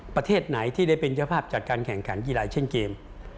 ประเทศไหนที่ได้เป็นเจ้าภาพจัดการแข่งขันกีฬาเช่นเกม